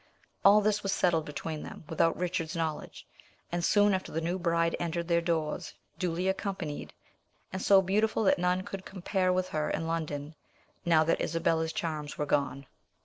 All this was settled between them without Richard's knowledge, and soon after the new bride entered their doors, duly accompanied, and so beautiful that none could compare with her in London, now that Isabella's charms were gone.